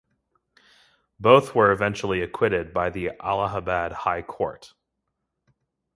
Both were eventually acquitted by the Allahabad High Court.